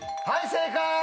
正解。